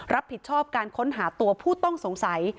รับผิดชอบการค้นหาตัวผู้ต้องสงสัย